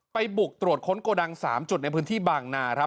บุกตรวจค้นโกดัง๓จุดในพื้นที่บางนาครับ